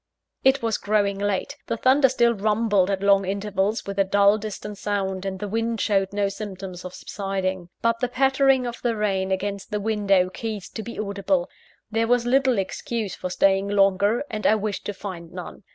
It was growing late. The thunder still rumbled at long intervals, with a dull, distant sound; and the wind showed no symptoms of subsiding. But the pattering of the rain against the window ceased to be audible. There was little excuse for staying longer; and I wished to find none.